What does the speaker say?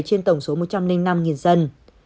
trên tổng số một trăm năm mươi năm dân